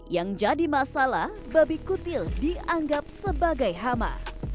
yang jadi masalah babi kutil dianggap sebagai hama